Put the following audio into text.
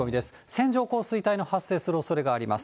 線状降水帯の発生するおそれがあります。